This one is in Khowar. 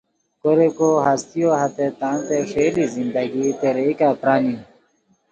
کوریکو ہتیسو ہتیت تانتے ݰئیلی زندگی تیریکا پرانی